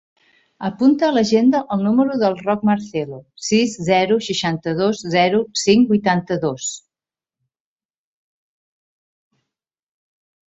Apunta a l'agenda el número del Roc Marcelo: sis, zero, seixanta-dos, zero, cinc, vuitanta-dos.